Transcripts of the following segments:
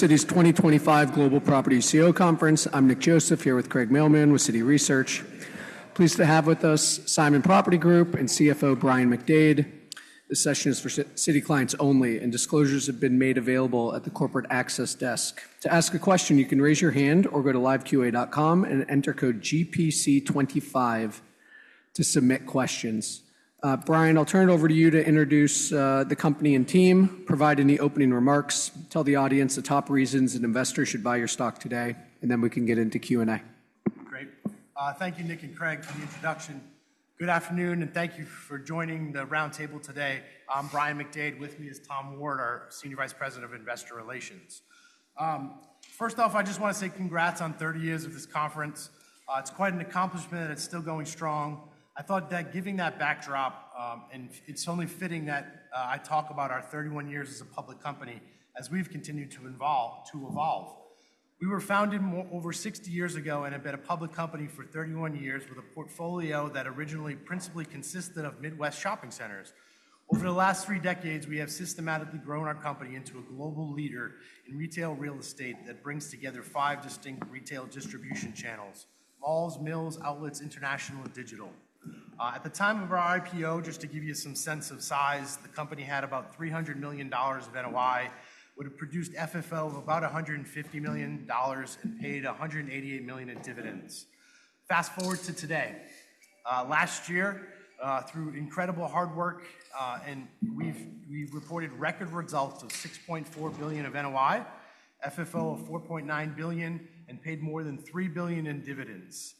Citi's 2025 Global Property CEO Conference. I'm Nick Joseph here with Craig Mailman with Citi Research. Pleased to have with us Simon Property Group and CFO Brian McDade. This session is for Citi clients only, and disclosures have been made available at the corporate access desk. To ask a question, you can raise your hand or go to LiveQA.com and enter code GPC25 to submit questions. Brian, I'll turn it over to you to introduce the company and team, provide any opening remarks, tell the audience the top reasons an investor should buy your stock today, and then we can get into Q&A. Great. Thank you, Nick and Craig, for the introduction. Good afternoon, and thank you for joining the roundtable today. I'm Brian McDade. With me is Tom Ward, our Senior Vice President of Investor Relations. First off, I just want to say congrats on 30 years of this conference. It's quite an accomplishment, and it's still going strong. I thought that giving that backdrop, and it's only fitting that I talk about our 31 years as a public company as we've continued to evolve. We were founded over 60 years ago and have been a public company for 31 years with a portfolio that originally principally consisted of Midwest shopping centers. Over the last three decades, we have systematically grown our company into a global leader in retail real estate that brings together five distinct retail distribution channels: malls, mills, outlets, international, and digital. At the time of our IPO, just to give you some sense of size, the company had about $300 million of NOI, would have produced FFO of about $150 million and paid $188 million in dividends. Fast forward to today. Last year, through incredible hard work, we've reported record results of $6.4 billion of NOI, FFO of $4.9 billion, and paid more than $3 billion in dividends.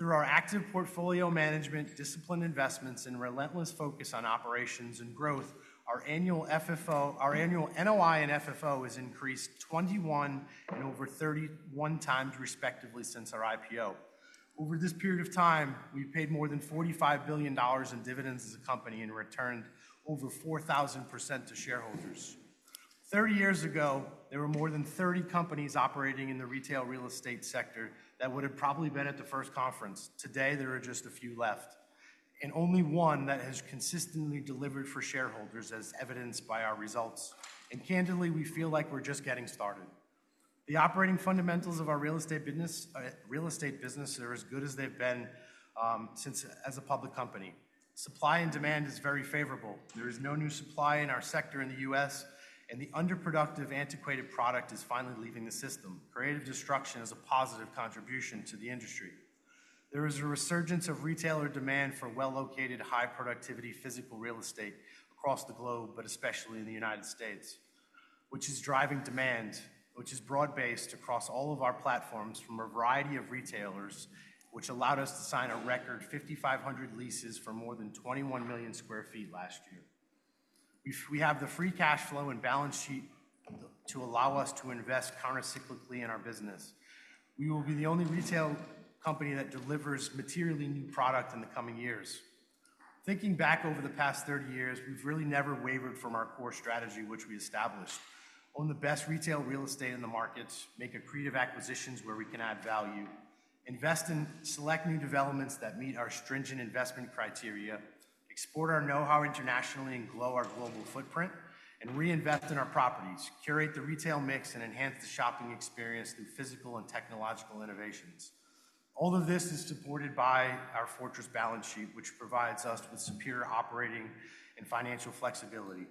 Through our active portfolio management, disciplined investments, and relentless focus on operations and growth, our annual NOI and FFO has increased 21 and over 31 times, respectively, since our IPO. Over this period of time, we paid more than $45 billion in dividends as a company and returned over 4,000% to shareholders. Thirty years ago, there were more than 30 companies operating in the retail real estate sector that would have probably been at the first conference. Today, there are just a few left, and only one that has consistently delivered for shareholders, as evidenced by our results, and candidly, we feel like we're just getting started. The operating fundamentals of our real estate business are as good as they've been since as a public company. Supply and demand is very favorable. There is no new supply in our sector in the U.S., and the underproductive antiquated product is finally leaving the system. Creative destruction is a positive contribution to the industry. There is a resurgence of retailer demand for well-located, high-productivity physical real estate across the globe, but especially in the United States, which is driving demand, which is broad-based across all of our platforms from a variety of retailers, which allowed us to sign a record 5,500 leases for more than 21 million sq ft last year. We have the free cash flow and balance sheet to allow us to invest countercyclically in our business. We will be the only retail company that delivers materially new product in the coming years. Thinking back over the past 30 years, we've really never wavered from our core strategy, which we established: own the best retail real estate in the markets, make accretive acquisitions where we can add value, invest in select new developments that meet our stringent investment criteria, export our know-how internationally and grow our global footprint, and reinvest in our properties, curate the retail mix, and enhance the shopping experience through physical and technological innovations. All of this is supported by our fortress balance sheet, which provides us with superior operating and financial flexibility.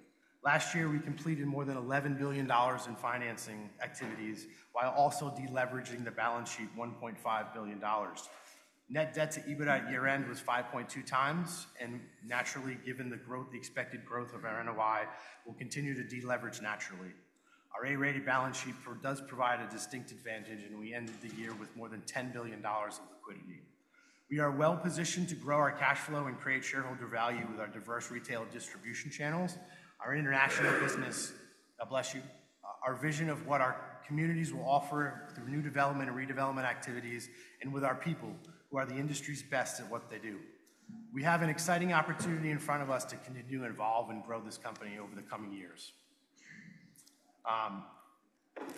Last year, we completed more than $11 billion in financing activities while also deleveraging the balance sheet $1.5 billion. Net debt to EBITDA year-end was 5.2 times, and naturally, given the expected growth of our NOI, we'll continue to deleverage naturally. Our A-rated balance sheet does provide a distinct advantage, and we ended the year with more than $10 billion of liquidity. We are well-positioned to grow our cash flow and create shareholder value with our diverse retail distribution channels, our international business, our vision of what our communities will offer through new development and redevelopment activities, and with our people who are the industry's best at what they do. We have an exciting opportunity in front of us to continue to evolve and grow this company over the coming years.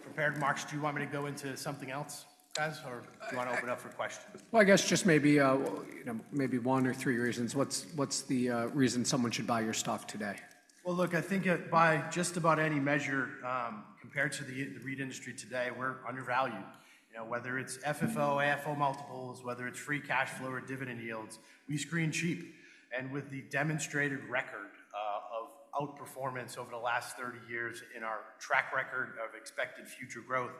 Prepared remarks, do you want me to go into something else, guys, or do you want to open up for questions? I guess just maybe one or three reasons. What's the reason someone should buy your stock today? Look, I think by just about any measure compared to the REIT industry today, we're undervalued. Whether it's FFO, AFFO multiples, whether it's free cash flow or dividend yields, we screen cheap. With the demonstrated record of outperformance over the last 30 years in our track record of expected future growth,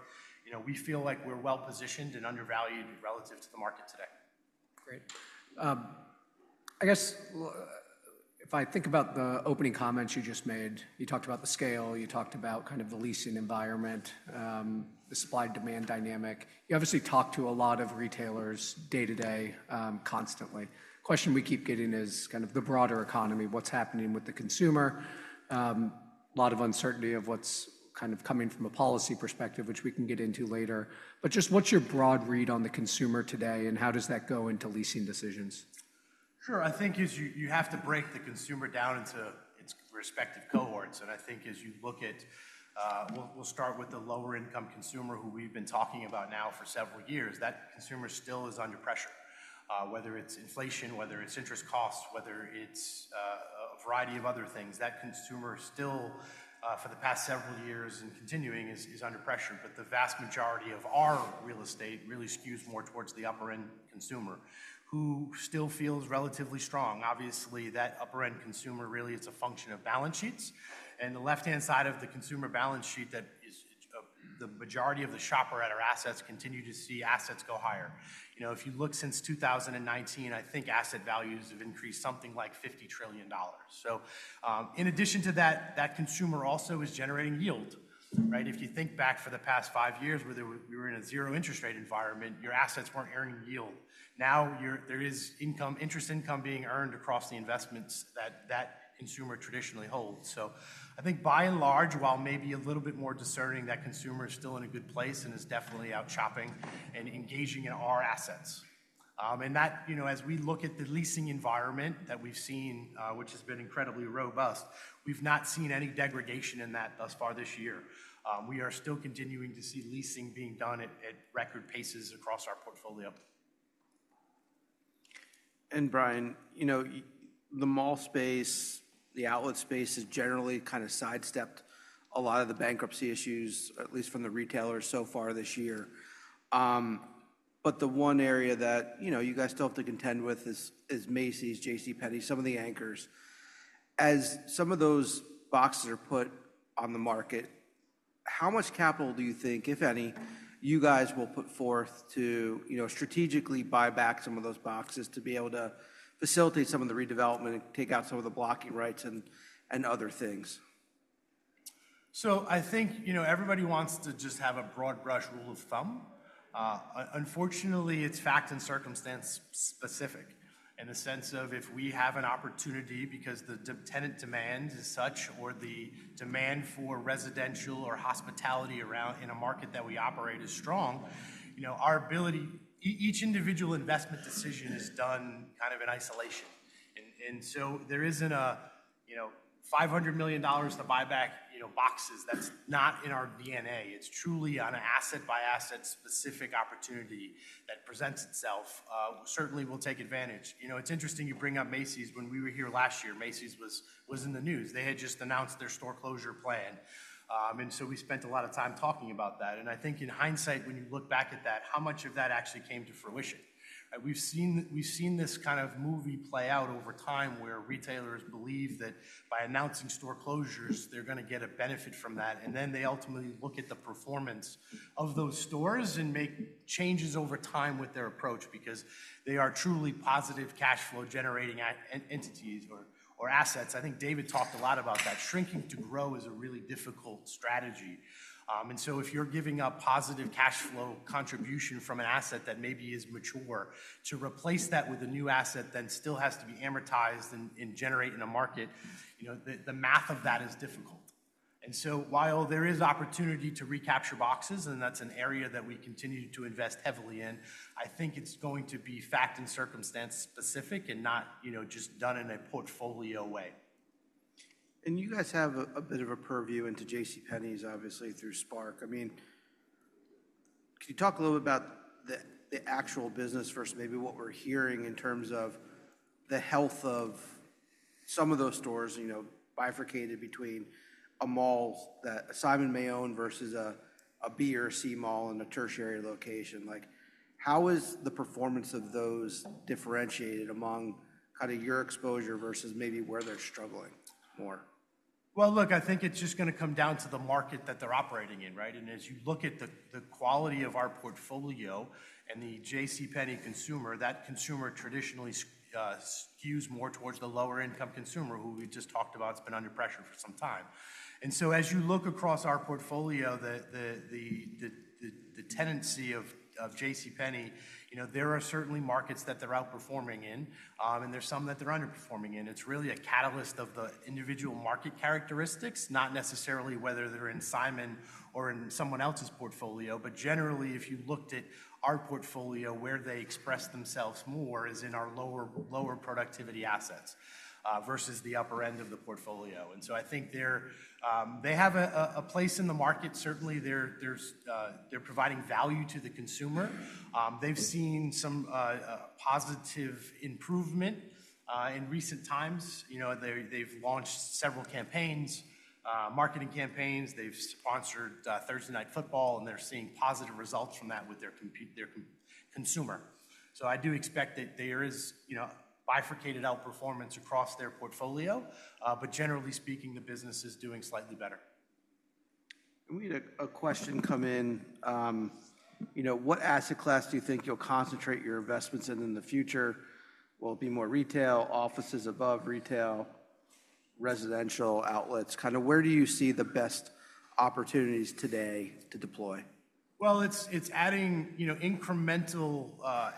we feel like we're well-positioned and undervalued relative to the market today. Great. I guess if I think about the opening comments you just made, you talked about the scale, you talked about kind of the leasing environment, the supply-demand dynamic. You obviously talk to a lot of retailers day-to-day constantly. The question we keep getting is kind of the broader economy, what's happening with the consumer, a lot of uncertainty of what's kind of coming from a policy perspective, which we can get into later. But just what's your broad read on the consumer today, and how does that go into leasing decisions? Sure. I think you have to break the consumer down into its respective cohorts. And I think as you look at, we'll start with the lower-income consumer who we've been talking about now for several years. That consumer still is under pressure, whether it's inflation, whether it's interest costs, whether it's a variety of other things. That consumer still, for the past several years and continuing, is under pressure. But the vast majority of our real estate really skews more towards the upper-end consumer who still feels relatively strong. Obviously, that upper-end consumer really is a function of balance sheets. And the left-hand side of the consumer balance sheet, the majority of the shopper at our assets continue to see assets go higher. If you look since 2019, I think asset values have increased something like $50 trillion. So in addition to that, that consumer also is generating yield. If you think back for the past five years where we were in a zero-interest rate environment, your assets weren't earning yield. Now there is interest income being earned across the investments that that consumer traditionally holds, so I think by and large, while maybe a little bit more discerning, that consumer is still in a good place and is definitely out shopping and engaging in our assets, and as we look at the leasing environment that we've seen, which has been incredibly robust, we've not seen any degradation in that thus far this year. We are still continuing to see leasing being done at record paces across our portfolio. Brian, the mall space, the outlet space has generally kind of sidestepped a lot of the bankruptcy issues, at least from the retailers so far this year. But the one area that you guys still have to contend with is Macy's, JCPenney, some of the anchors. As some of those boxes are put on the market, how much capital do you think, if any, you guys will put forth to strategically buy back some of those boxes to be able to facilitate some of the redevelopment, take out some of the blocking rights, and other things? So I think everybody wants to just have a broad brush rule of thumb. Unfortunately, it's fact and circumstance specific in the sense of if we have an opportunity because the tenant demand is such or the demand for residential or hospitality in a market that we operate is strong, each individual investment decision is done kind of in isolation. And so there isn't a $500 million to buy back boxes. That's not in our DNA. It's truly an asset-by-asset specific opportunity that presents itself. Certainly, we'll take advantage. It's interesting you bring up Macy's. When we were here last year, Macy's was in the news. They had just announced their store closure plan. And so we spent a lot of time talking about that. And I think in hindsight, when you look back at that, how much of that actually came to fruition? We've seen this kind of movie play out over time where retailers believe that by announcing store closures, they're going to get a benefit from that, and then they ultimately look at the performance of those stores and make changes over time with their approach because they are truly positive cash flow generating entities or assets. I think David talked a lot about that. Shrinking to grow is a really difficult strategy, and so if you're giving a positive cash flow contribution from an asset that maybe is mature to replace that with a new asset that still has to be amortized and generate in a market, the math of that is difficult. And so while there is opportunity to recapture boxes, and that's an area that we continue to invest heavily in, I think it's going to be fact and circumstance specific and not just done in a portfolio way. And you guys have a bit of a purview into JCPenney's, obviously, through SPARC. I mean, can you talk a little bit about the actual business versus maybe what we're hearing in terms of the health of some of those stores bifurcated between a mall that Simon may own versus a B or C mall in a tertiary location? How is the performance of those differentiated among kind of your exposure versus maybe where they're struggling more? Look, I think it's just going to come down to the market that they're operating in, right? As you look at the quality of our portfolio and the JCPenney consumer, that consumer traditionally skews more towards the lower-income consumer who we just talked about has been under pressure for some time. As you look across our portfolio, the tendency of JCPenney, there are certainly markets that they're outperforming in, and there's some that they're underperforming in. It's really a catalyst of the individual market characteristics, not necessarily whether they're in Simon or in someone else's portfolio. Generally, if you looked at our portfolio, where they express themselves more is in our lower productivity assets versus the upper end of the portfolio. I think they have a place in the market. Certainly, they're providing value to the consumer. They've seen some positive improvement in recent times. They've launched several campaigns, marketing campaigns. They've sponsored Thursday Night Football, and they're seeing positive results from that with their consumer. So I do expect that there is bifurcated outperformance across their portfolio. But generally speaking, the business is doing slightly better. And we had a question come in. What asset class do you think you'll concentrate your investments in in the future? Will it be more retail, offices above retail, residential, outlets? Kind of where do you see the best opportunities today to deploy? It's adding incremental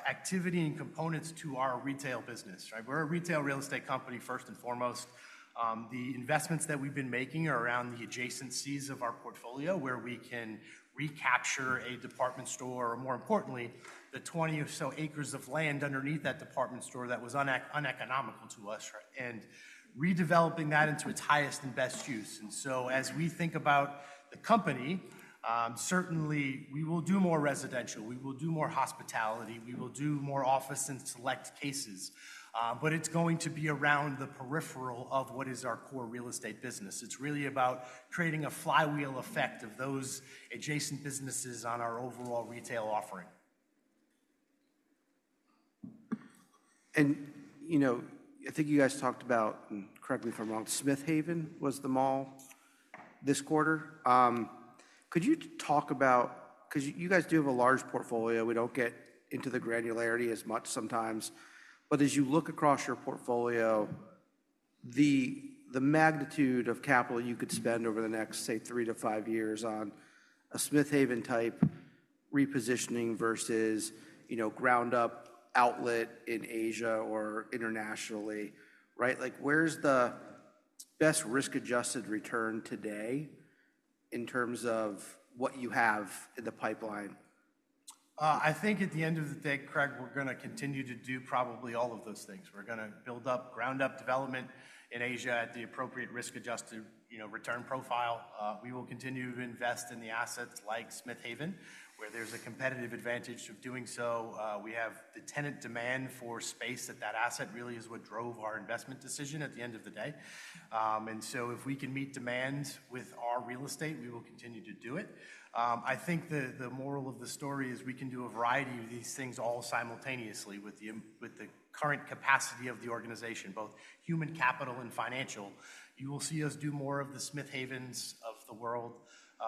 activity and components to our retail business. We're a retail real estate company, first and foremost. The investments that we've been making are around the adjacencies of our portfolio where we can recapture a department store or, more importantly, the 20 or so acres of land underneath that department store that was uneconomical to us and redeveloping that into its highest and best use. And so as we think about the company, certainly, we will do more residential. We will do more hospitality. We will do more office in select cases. But it's going to be around the peripheral of what is our core real estate business. It's really about creating a flywheel effect of those adjacent businesses on our overall retail offering. I think you guys talked about, and correct me if I'm wrong, Smith Haven Mall was the mall this quarter. Could you talk about because you guys do have a large portfolio. We don't get into the granularity as much sometimes, but as you look across your portfolio, the magnitude of capital you could spend over the next, say, three to five years on a Smith Haven type repositioning versus ground-up outlet in Asia or internationally, where's the best risk-adjusted return today in terms of what you have in the pipeline? I think at the end of the day, Craig, we're going to continue to do probably all of those things. We're going to build up ground-up development in Asia at the appropriate risk-adjusted return profile. We will continue to invest in the assets like Smith Haven, where there's a competitive advantage of doing so. We have the tenant demand for space that that asset really is what drove our investment decision at the end of the day. And so if we can meet demand with our real estate, we will continue to do it. I think the moral of the story is we can do a variety of these things all simultaneously with the current capacity of the organization, both human capital and financial. You will see us do more of the Smith Havens of the world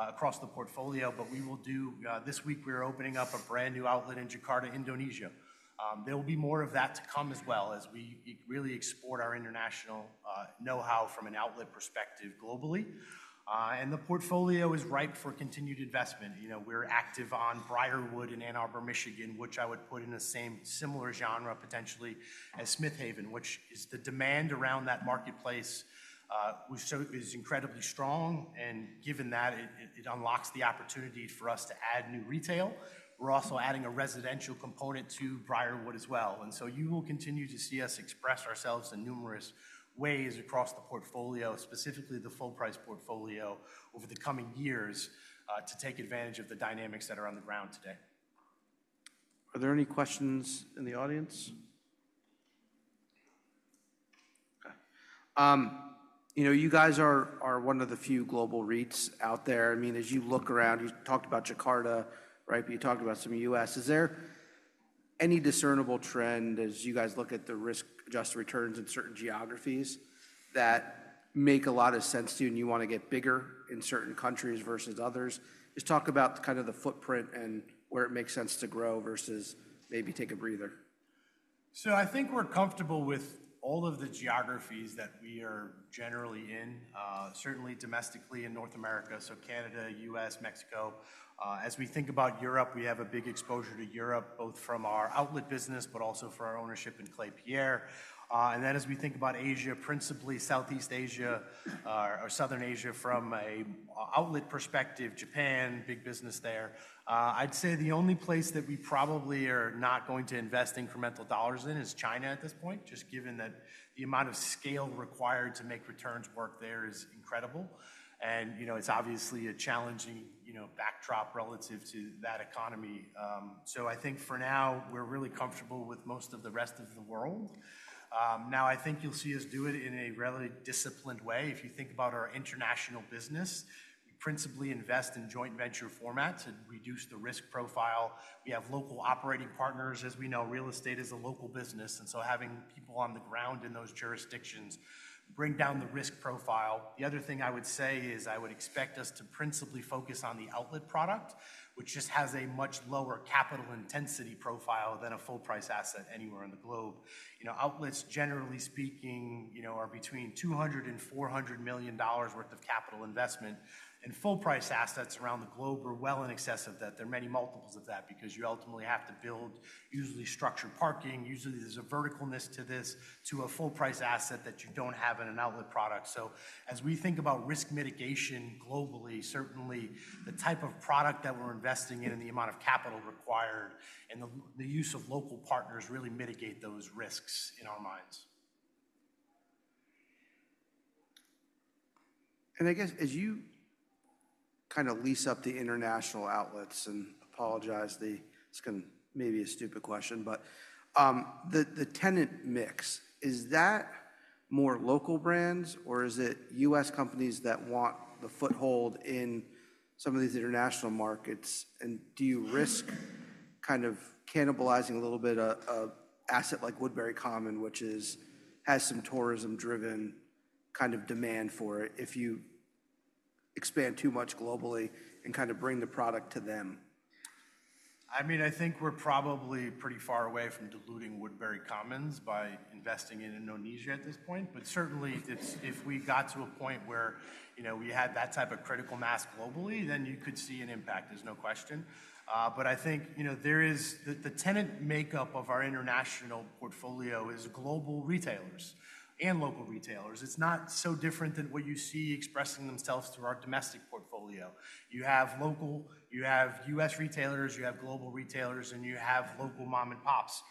across the portfolio. But we will do this week. We're opening up a brand new outlet in Jakarta, Indonesia. There will be more of that to come as well as we really export our international know-how from an outlet perspective globally. And the portfolio is ripe for continued investment. We're active on Briarwood in Ann Arbor, Michigan, which I would put in a similar genre potentially as Smith Haven, which is the demand around that marketplace is incredibly strong. And given that, it unlocks the opportunity for us to add new retail. We're also adding a residential component to Briarwood as well. And so you will continue to see us express ourselves in numerous ways across the portfolio, specifically the full-price portfolio over the coming years to take advantage of the dynamics that are on the ground today. Are there any questions in the audience? You guys are one of the few global REITs out there. I mean, as you look around, you talked about Jakarta, but you talked about some U.S. Is there any discernible trend as you guys look at the risk-adjusted returns in certain geographies that make a lot of sense to you and you want to get bigger in certain countries versus others? Just talk about kind of the footprint and where it makes sense to grow versus maybe take a breather. So I think we're comfortable with all of the geographies that we are generally in, certainly domestically in North America, so Canada, U.S., Mexico. As we think about Europe, we have a big exposure to Europe, both from our outlet business, but also for our ownership in Klépierre. And then as we think about Asia, principally Southeast Asia or South Asia from an outlet perspective, Japan, big business there. I'd say the only place that we probably are not going to invest incremental dollars in is China at this point, just given that the amount of scale required to make returns work there is incredible. And it's obviously a challenging backdrop relative to that economy. So I think for now, we're really comfortable with most of the rest of the world. Now, I think you'll see us do it in a really disciplined way. If you think about our international business, we principally invest in joint venture formats and reduce the risk profile. We have local operating partners. As we know, real estate is a local business, and so having people on the ground in those jurisdictions brings down the risk profile. The other thing I would say is I would expect us to principally focus on the outlet product, which just has a much lower capital intensity profile than a full-price asset anywhere in the globe. Outlets, generally speaking, are between $200 million-$400 million worth of capital investment, and full-price assets around the globe are well in excess of that. There are many multiples of that because you ultimately have to build usually structured parking. Usually, there's a verticalness to this to a full-price asset that you don't have in an outlet product. So as we think about risk mitigation globally, certainly the type of product that we're investing in and the amount of capital required and the use of local partners really mitigate those risks in our minds. I guess as you kind of lease up the international outlets and Asia, it's going to maybe be a stupid question, but the tenant mix, is that more local brands or is it US companies that want the foothold in some of these international markets? And do you risk kind of cannibalizing a little bit of asset like Woodbury Common, which has some tourism-driven kind of demand for it if you expand too much globally and kind of bring the product to them? I mean, I think we're probably pretty far away from diluting Woodbury Common by investing in Indonesia at this point. But certainly, if we got to a point where we had that type of critical mass globally, then you could see an impact. There's no question. But I think the tenant makeup of our international portfolio is global retailers and local retailers. It's not so different than what you see expressing themselves through our domestic portfolio. You have local, you have U.S. retailers, you have global retailers, and you have local mom-and-pops.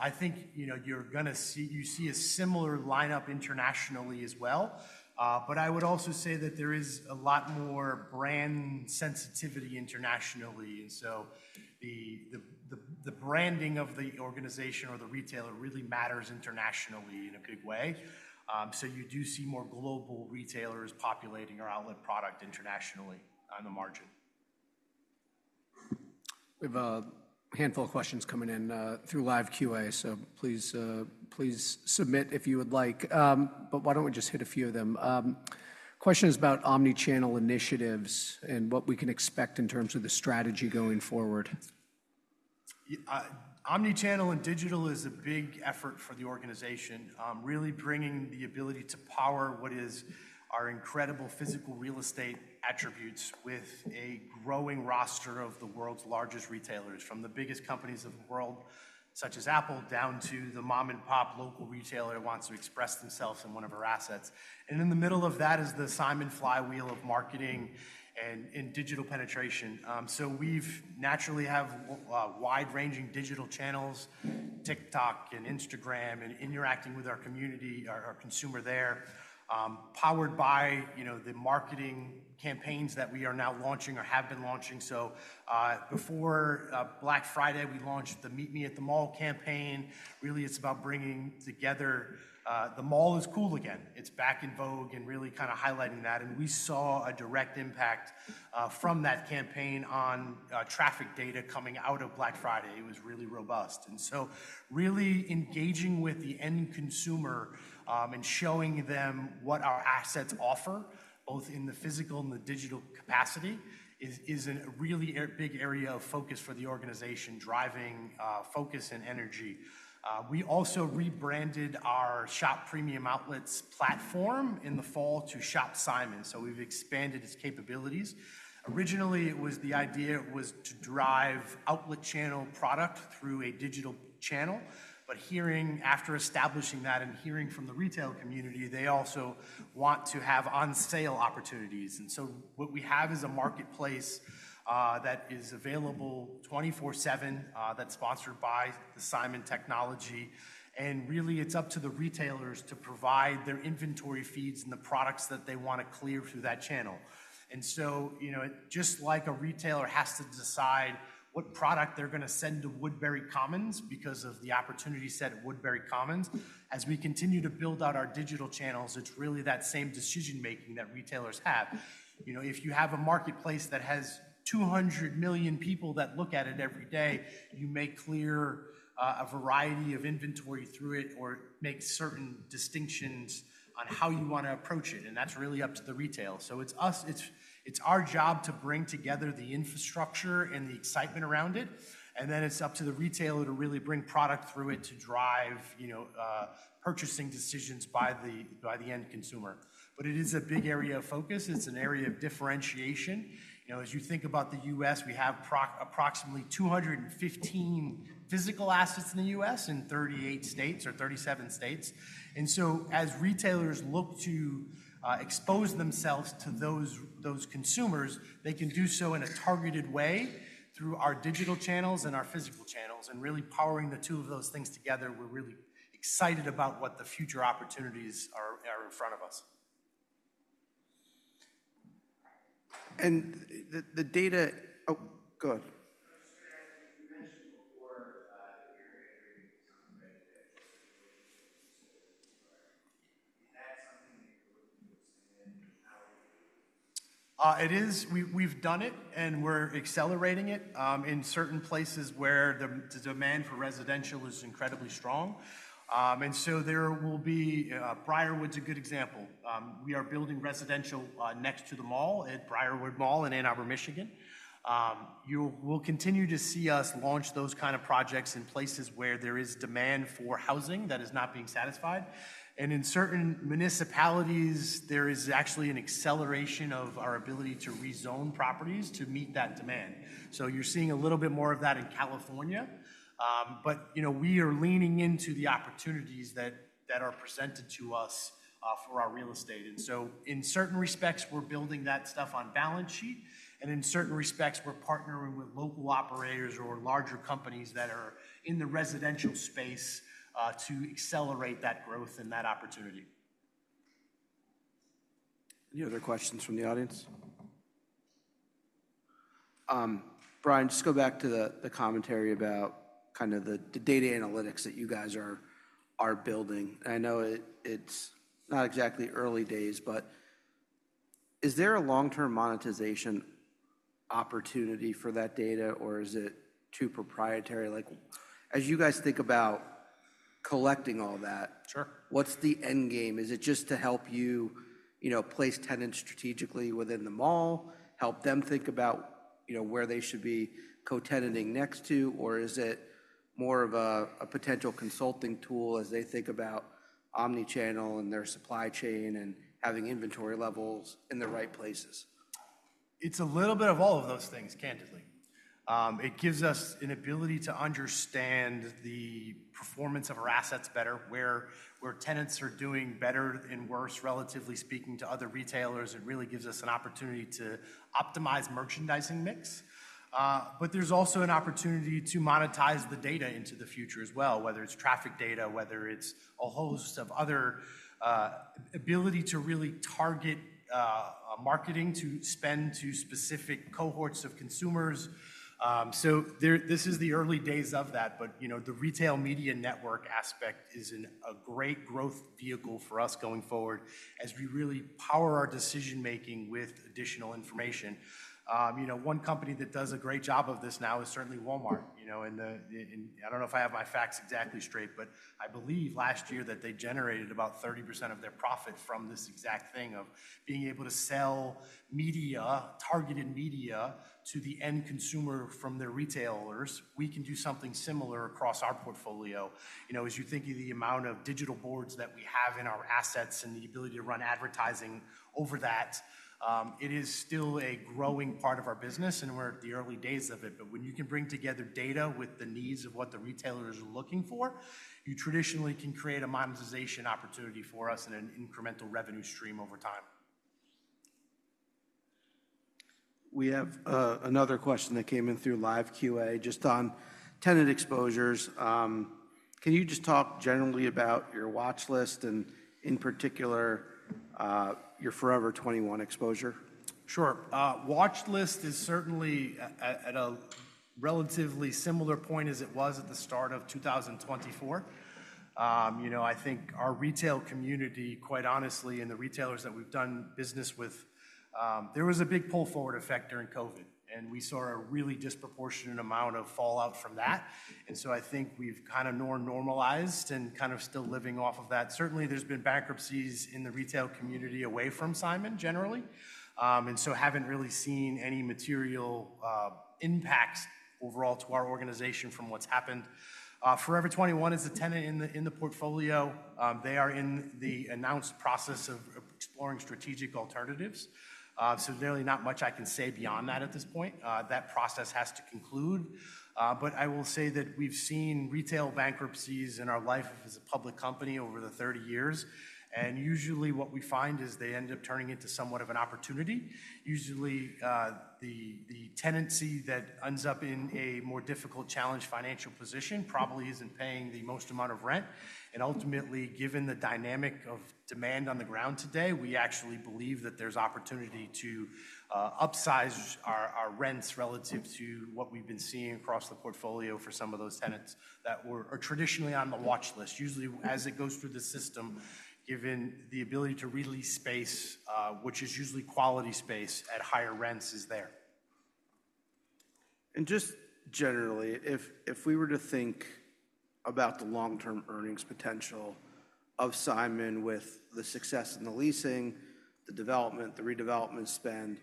I think you're going to see a similar lineup internationally as well. But I would also say that there is a lot more brand sensitivity internationally. And so the branding of the organization or the retailer really matters internationally in a big way. So you do see more global retailers populating our outlet product internationally on the margin. We have a handful of questions coming in through live Q&A, so please submit if you would like. But why don't we just hit a few of them? Questions about omnichannel initiatives and what we can expect in terms of the strategy going forward. Omnichannel and digital is a big effort for the organization, really bringing the ability to power what is our incredible physical real estate attributes with a growing roster of the world's largest retailers, from the biggest companies of the world, such as Apple, down to the mom-and-pop local retailer who wants to express themselves in one of our assets. And in the middle of that is the Simon flywheel of marketing and digital penetration. So we naturally have wide-ranging digital channels, TikTok and Instagram, and interacting with our community, our consumer there, powered by the marketing campaigns that we are now launching or have been launching. So before Black Friday, we launched the Meet Me at the Mall campaign. Really, it's about bringing together the mall is cool again. It's back in vogue and really kind of highlighting that. We saw a direct impact from that campaign on traffic data coming out of Black Friday. It was really robust. And so really engaging with the end consumer and showing them what our assets offer, both in the physical and the digital capacity, is a really big area of focus for the organization, driving focus and energy. We also rebranded our Shop Premium Outlets platform in the fall to Shop Simon. So we've expanded its capabilities. Originally, the idea was to drive outlet channel product through a digital channel. But after establishing that and hearing from the retail community, they also want to have on-sale opportunities. And so what we have is a marketplace that is available 24/7 that's sponsored by the Simon technology. And really, it's up to the retailers to provide their inventory feeds and the products that they want to clear through that channel. And so just like a retailer has to decide what product they're going to send to Woodbury Common because of the opportunity set at Woodbury Common, as we continue to build out our digital channels, it's really that same decision-making that retailers have. If you have a marketplace that has 200 million people that look at it every day, you may clear a variety of inventory through it or make certain distinctions on how you want to approach it. And that's really up to the retail. So it's our job to bring together the infrastructure and the excitement around it. And then it's up to the retailer to really bring product through it to drive purchasing decisions by the end consumer. But it is a big area of focus. It's an area of differentiation. As you think about the U.S., we have approximately 215 physical assets in the U.S. and 38 states or 37 states. And so as retailers look to expose themselves to those consumers, they can do so in a targeted way through our digital channels and our physical channels. And really powering the two of those things together, we're really excited about what the future opportunities are in front of us. And the data. Oh, go ahead. I was just going to ask you, you mentioned before that you're entering some kind of digital situation. Is that something that you're looking to expand? How are you doing that? It is. We've done it, and we're accelerating it in certain places where the demand for residential is incredibly strong, and so there will be Briarwood is a good example. We are building residential next to the mall at Briarwood Mall in Ann Arbor, Michigan. You will continue to see us launch those kind of projects in places where there is demand for housing that is not being satisfied, and in certain municipalities, there is actually an acceleration of our ability to rezone properties to meet that demand, so you're seeing a little bit more of that in California, but we are leaning into the opportunities that are presented to us for our real estate, and so in certain respects, we're building that stuff on balance sheet. In certain respects, we're partnering with local operators or larger companies that are in the residential space to accelerate that growth and that opportunity. Any other questions from the audience? Brian, just go back to the commentary about kind of the data analytics that you guys are building. I know it's not exactly early days, but is there a long-term monetization opportunity for that data, or is it too proprietary? As you guys think about collecting all that, what's the end game? Is it just to help you place tenants strategically within the mall, help them think about where they should be co-tenanting next to, or is it more of a potential consulting tool as they think about omnichannel and their supply chain and having inventory levels in the right places? It's a little bit of all of those things, candidly. It gives us an ability to understand the performance of our assets better, where tenants are doing better and worse, relatively speaking, to other retailers. It really gives us an opportunity to optimize merchandising mix. But there's also an opportunity to monetize the data into the future as well, whether it's traffic data, whether it's a host of other ability to really target marketing to spend to specific cohorts of consumers. So this is the early days of that. But the retail media network aspect is a great growth vehicle for us going forward as we really power our decision-making with additional information. One company that does a great job of this now is certainly Walmart. I don't know if I have my facts exactly straight, but I believe last year that they generated about 30% of their profit from this exact thing of being able to sell media, targeted media to the end consumer from their retailers. We can do something similar across our portfolio. As you think of the amount of digital boards that we have in our assets and the ability to run advertising over that, it is still a growing part of our business, and we're at the early days of it. But when you can bring together data with the needs of what the retailers are looking for, you traditionally can create a monetization opportunity for us and an incremental revenue stream over time. We have another question that came in through live Q&A just on tenant exposures. Can you just talk generally about your watch list and, in particular, your Forever 21 exposure? Sure. Watch list is certainly at a relatively similar point as it was at the start of 2024. I think our retail community, quite honestly, and the retailers that we've done business with, there was a big pull forward effect during COVID, and we saw a really disproportionate amount of fallout from that. And so I think we've kind of normalized and kind of still living off of that. Certainly, there's been bankruptcies in the retail community away from Simon, generally. And so haven't really seen any material impacts overall to our organization from what's happened. Forever 21 is a tenant in the portfolio. They are in the announced process of exploring strategic alternatives. So there's really not much I can say beyond that at this point. That process has to conclude. But I will say that we've seen retail bankruptcies in our life as a public company over the 30 years. And usually, what we find is they end up turning into somewhat of an opportunity. Usually, the tenancy that ends up in a more difficult, challenged financial position probably isn't paying the most amount of rent. And ultimately, given the dynamic of demand on the ground today, we actually believe that there's opportunity to upsize our rents relative to what we've been seeing across the portfolio for some of those tenants that were traditionally on the watch list. Usually, as it goes through the system, given the ability to release space, which is usually quality space at higher rents, is there. Just generally, if we were to think about the long-term earnings potential of Simon with the success in the leasing, the development, the redevelopment spend,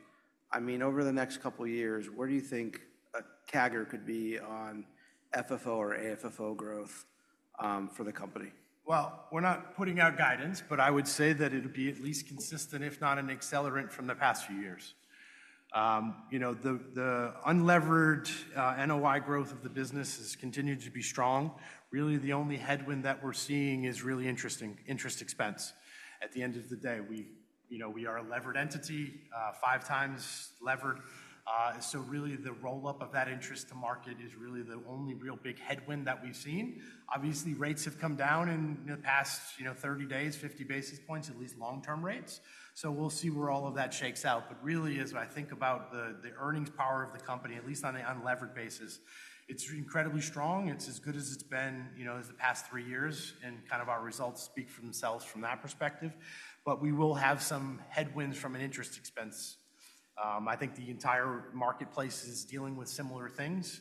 I mean, over the next couple of years, where do you think a target could be on FFO or AFFO growth for the company? We're not putting out guidance, but I would say that it would be at least consistent, if not an accelerant, from the past few years. The unlevered NOI growth of the business has continued to be strong. Really, the only headwind that we're seeing is really interest expense. At the end of the day, we are a levered entity, five times levered. So really, the roll-up of that interest to market is really the only real big headwind that we've seen. Obviously, rates have come down in the past 30 days, 50 basis points, at least long-term rates. So we'll see where all of that shakes out. But really, as I think about the earnings power of the company, at least on an unlevered basis, it's incredibly strong. It's as good as it's been the past three years, and kind of our results speak for themselves from that perspective. But we will have some headwinds from an interest expense. I think the entire marketplace is dealing with similar things.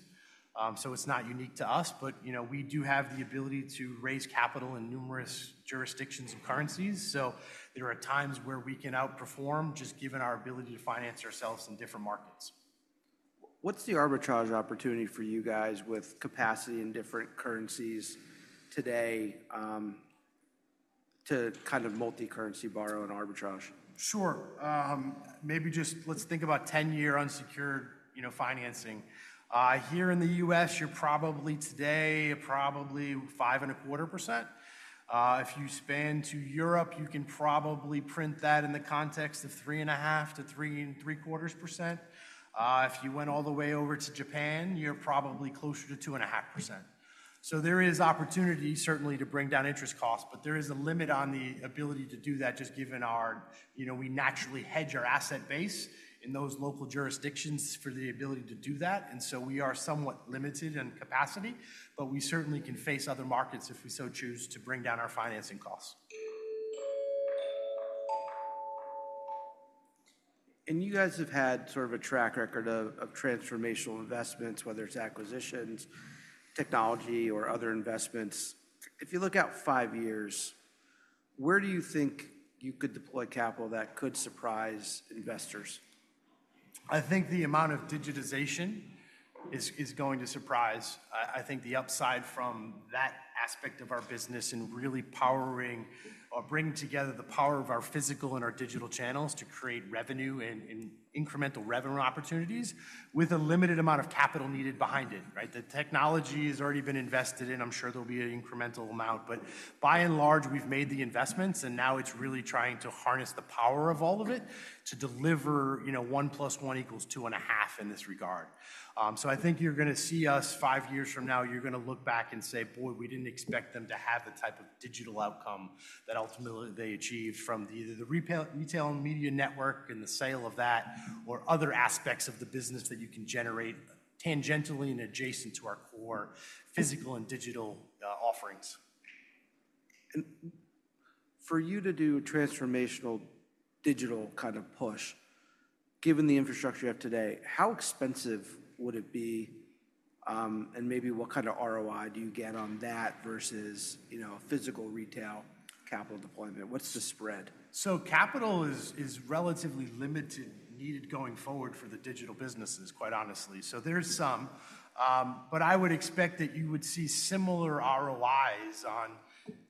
So it's not unique to us, but we do have the ability to raise capital in numerous jurisdictions and currencies. So there are times where we can outperform just given our ability to finance ourselves in different markets. What's the arbitrage opportunity for you guys with capacity in different currencies today to kind of multi-currency borrow and arbitrage? Sure. Maybe just let's think about 10-year unsecured financing. Here in the U.S., you're probably today 5.25%. If you span to Europe, you can probably print that in the context of 3.5%-3.75%. If you went all the way over to Japan, you're probably closer to 2.5%. So there is opportunity, certainly, to bring down interest costs, but there is a limit on the ability to do that just given that we naturally hedge our asset base in those local jurisdictions for the ability to do that. And so we are somewhat limited in capacity, but we certainly can tap other markets if we so choose to bring down our financing costs. You guys have had sort of a track record of transformational investments, whether it's acquisitions, technology, or other investments. If you look out five years, where do you think you could deploy capital that could surprise investors? I think the amount of digitization is going to surprise. I think the upside from that aspect of our business and really powering or bringing together the power of our physical and our digital channels to create revenue and incremental revenue opportunities with a limited amount of capital needed behind it. The technology has already been invested in. I'm sure there'll be an incremental amount. But by and large, we've made the investments, and now it's really trying to harness the power of all of it to deliver one plus one equals two and a half in this regard. So I think you're going to see us five years from now, you're going to look back and say, "Boy, we didn't expect them to have the type of digital outcome that ultimately they achieved from either the retail media network and the sale of that or other aspects of the business that you can generate tangentially and adjacent to our core physical and digital offerings. And for you to do transformational digital kind of push, given the infrastructure you have today, how expensive would it be? And maybe what kind of ROI do you get on that versus physical retail capital deployment? What's the spread? Capital is relatively limited needed going forward for the digital businesses, quite honestly. There's some. I would expect that you would see similar ROIs on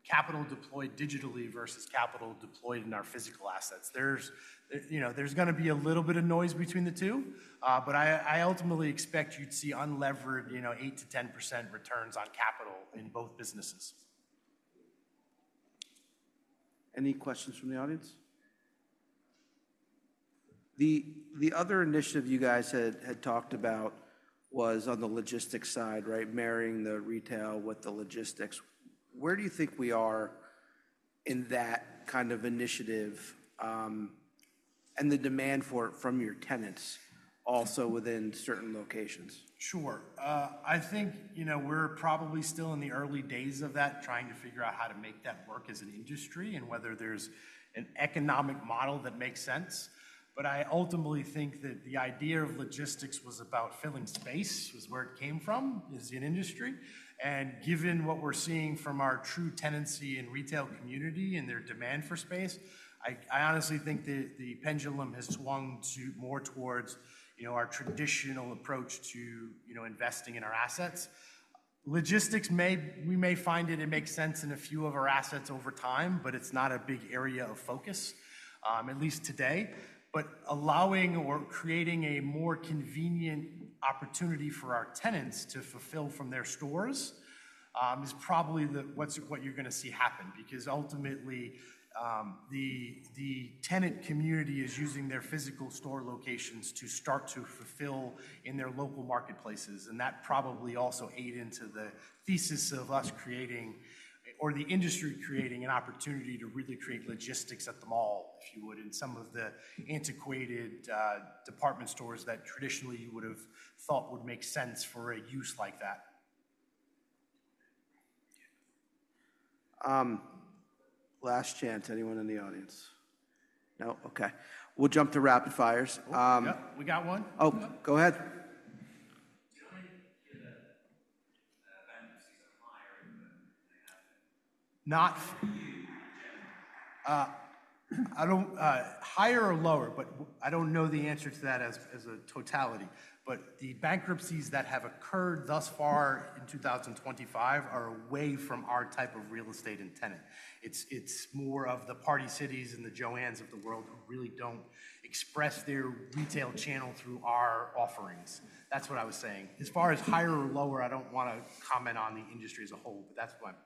capital deployed digitally versus capital deployed in our physical assets. There's going to be a little bit of noise between the two, but I ultimately expect you'd see unlevered 8%-10% returns on capital in both businesses. Any questions from the audience? The other initiative you guys had talked about was on the logistics side, marrying the retail with the logistics. Where do you think we are in that kind of initiative and the demand for it from your tenants also within certain locations? Sure. I think we're probably still in the early days of that, trying to figure out how to make that work as an industry and whether there's an economic model that makes sense. But I ultimately think that the idea of logistics was about filling space, was where it came from, is an industry. And given what we're seeing from our true tenancy and retail community and their demand for space, I honestly think the pendulum has swung more towards our traditional approach to investing in our assets. Logistics, we may find it makes sense in a few of our assets over time, but it's not a big area of focus, at least today. But allowing or creating a more convenient opportunity for our tenants to fulfill from their stores is probably what you're going to see happen. Because ultimately, the tenant community is using their physical store locations to start to fulfill in their local marketplaces, and that probably also ate into the thesis of us creating or the industry creating an opportunity to really create logistics at the mall, if you would, in some of the antiquated department stores that traditionally you would have thought would make sense for a use like that. Last chance. Anyone in the audience? No? Okay. We'll jump to rapid fires. We got one? Oh, go ahead. Can I get a bankruptcy supplier if they have it? Not for you. Higher or lower, but I don't know the answer to that as a totality. But the bankruptcies that have occurred thus far in 2025 are away from our type of real estate and tenant. It's more of the Party City and the JOANN of the world who really don't express their retail channel through our offerings. That's what I was saying. As far as higher or lower, I don't want to comment on the industry as a whole, but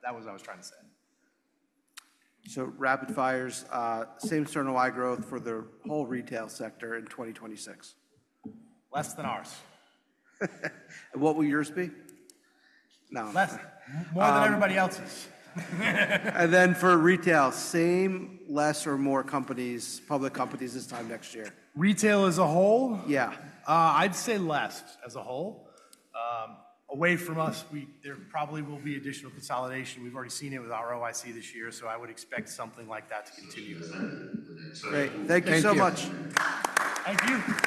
that was what I was trying to say. So rapid fires. Same-store NOI growth for the whole retail sector in 2026? Less than ours. What will yours be? Less. More than everybody else's. And then for retail, same, less, or more companies, public companies this time next year? Retail as a whole? Yeah. I'd say less as a whole. Away from us, there probably will be additional consolidation. We've already seen it with ROIC this year, so I would expect something like that to continue. Thank you so much. Thank you.